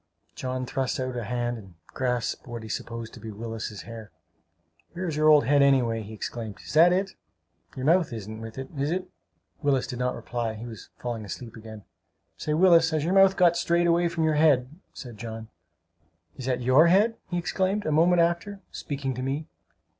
John thrust out a hand and grasped what he supposed to be Willis's hair. "Where is your old head, anyway!" he exclaimed. "Is that it? Your mouth isn't with it, is it?" Willis did not reply; he was falling asleep again. "Say, Willis, has your mouth got strayed away from your head?" said John. "Is that your head?" he exclaimed a moment after, speaking to me.